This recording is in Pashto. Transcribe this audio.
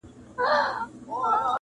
سرکئ کـــــــمال مرحوم ديوان نه انتخاب!